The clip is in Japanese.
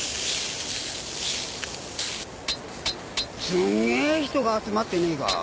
すんげ人が集まってねえか？